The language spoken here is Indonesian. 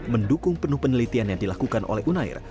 mendukung penuh penelitian yang dilakukan oleh unair